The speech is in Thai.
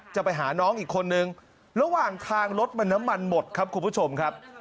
จะไปหาน้องอีกคนนึงระหว่างทางรถมันน้ำมันหมดครับคุณผู้ชมครับ